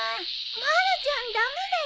まるちゃん駄目だよ。